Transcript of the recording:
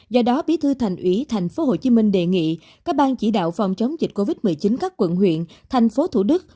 do đó bí thư thành ủy tp hcm đề nghị các bang chỉ đạo phòng chống dịch covid một mươi chín các quận huyện thành phố thủ đức